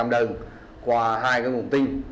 một trăm linh đơn qua hai nguồn tin